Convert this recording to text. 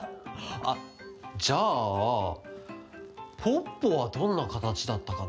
あっじゃあポッポはどんなかたちだったかな？